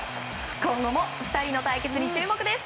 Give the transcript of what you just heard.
今後も２人の対決に注目です。